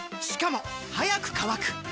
しかも速く乾く！